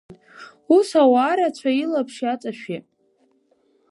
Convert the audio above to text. Ус ауаа рацәа илаԥш иааҵашәеит.